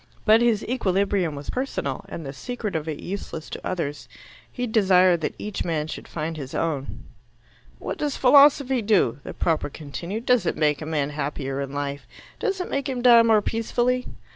But his equilibrium was personal, and the secret of it useless to others. He desired that each man should find his own. "What does philosophy do?" the propper continued. "Does it make a man happier in life? Does it make him die more peacefully?